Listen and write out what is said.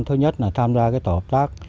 thứ nhất là tham gia tổ hợp tác